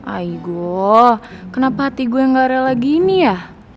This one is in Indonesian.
aigo kenapa hati gue gak rela gini ya